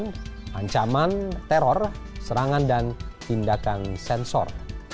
dan ancaman teror serangan dan tindakan sensor